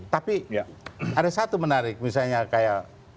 tapi ada satu menarik misalnya kayak